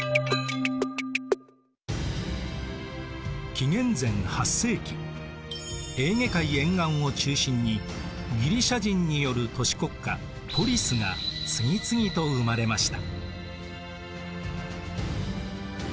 紀元前８世紀エーゲ海沿岸を中心にギリシア人による都市国家ポリスが次々と生まれました。